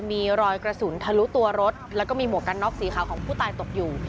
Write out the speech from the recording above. มีรอยกระสุนทะลุตัวรถแล้วก็มีหมวกกันน็อกสีขาวของผู้ตายตกอยู่